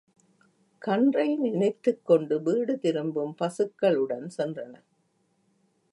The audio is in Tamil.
கன்றை நினைத்துக் கொண்டு விடுதிரும்பும் பசுக்கள் உடன் சென்றன.